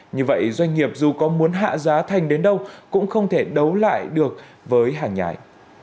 như vậy doanh nghiệp dù có muốn hạ giá thành đến đâu cũng không thể đấu lại được với hàng nhái